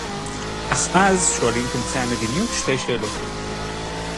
אך אז שואלים תומכי המדיניות שתי שאלות